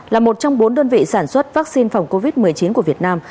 là một trong bốn đơn vị sản xuất vaccine phòng covid một mươi chín của việt nam